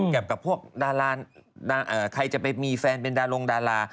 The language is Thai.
กับพวกดาราใครจะไปมีแฟนเป็นดารงดารา